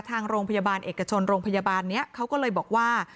ทางโรงพยาบาลเอกชนโรงพยาบาลนี้เขาก็เลยบอกว่า